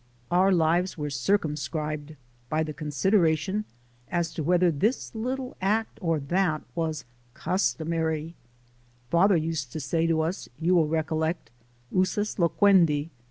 Our lives were circumscribed by the consideration as to whether this little act AMERICAN PHILOSOPHY OF LIFE 281 or that was customary. Father used to say to us, you will recollect : "Usus loquendi